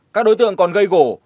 các đối tượng còn gây gổ